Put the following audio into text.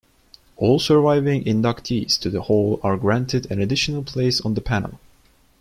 All surviving inductees to the Hall are granted an additional place on the panel.